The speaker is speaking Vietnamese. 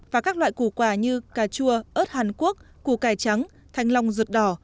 và các loại củ quả như cà chua ớt hàn quốc củ cải trắng thanh long ruột đỏ